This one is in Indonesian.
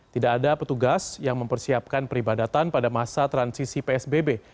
tidak ada petugas yang mempersiapkan peribadatan pada masa transisi psbb